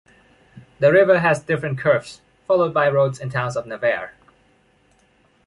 The river has different curves, followed by roads and towns of Navarre.